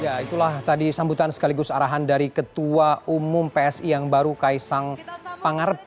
ya itulah tadi sambutan sekaligus arahan dari ketua umum psi yang baru kaisang pangarep